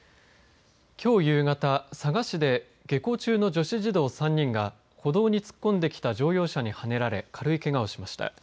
きょう夕方、佐賀市で下校中の女子児童３人が歩道に突っ込んできた乗用車にはねられ軽いけがをしました。